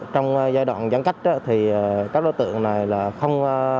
trong giai đoạn giãn cách thì các đối tượng này là không